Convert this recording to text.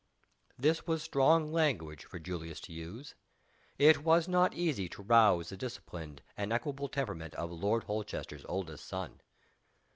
This was strong language for Julius to use. It was not easy to rouse the disciplined and equable temperament of Lord Holchester's eldest son.